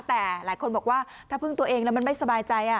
แต่หลายคนบอกว่าถ้าพึ่งตัวเองแล้วมันไม่สบายใจ